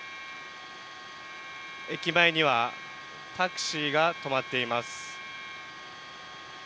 駅前にはタクシーが止まっています。